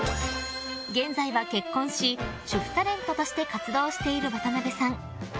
現在は結婚し主婦タレントとして活動している渡辺さん。